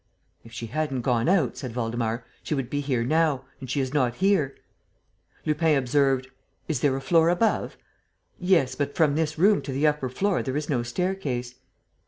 "If she hadn't gone out," said Waldemar, "she would be here now: and she is not here." Lupin observed: "Is there a floor above?" "Yes, but from this room to the upper floor there is no staircase."